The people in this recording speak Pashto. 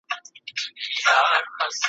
او ارواښاد سلیمان لایق یې `